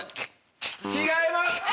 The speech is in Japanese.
違います！